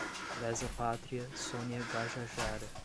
Lesa-pátria, Sônia Guajajara